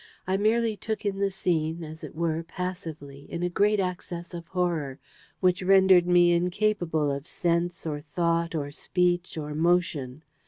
I merely took in the scene, as it were, passively, in a great access of horror, which rendered me incapable of sense or thought or speech or motion.